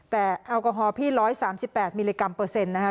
แต่แอลกอฮอล์พี่ร้อยสามสิบแปดมิลลิกรัมเปอร์เซ็นต์นะคะ